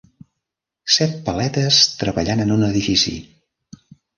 Set paletes treballant en un edifici.